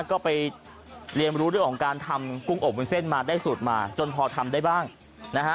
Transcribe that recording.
ก็ไปเรียนรู้เรื่องของการทำกุ้งอบวุ้นเส้นมาได้สูตรมาจนพอทำได้บ้างนะฮะ